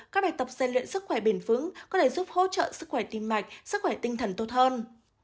các bài tập gian luyện sức khỏe bền vững có thể giúp hỗ trợ sức khỏe tim mạch sức khỏe tinh thần tốt hơn